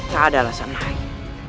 tak ada alasan lain